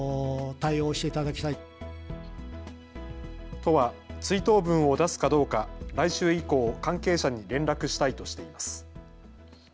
都は追悼文を出すかどうか来週以降、関係者に連絡したいとしています。